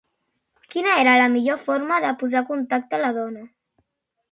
Quina era la millor forma de posar contenta la dona?